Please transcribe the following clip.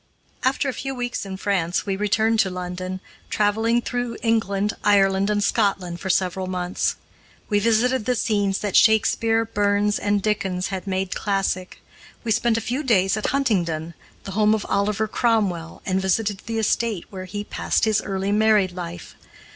After a few weeks in France, we returned to London, traveling through England, Ireland, and Scotland for several months. We visited the scenes that Shakespeare, Burns, and Dickens had made classic. We spent a few days at Huntingdon, the home of Oliver Cromwell, and visited the estate where he passed his early married life.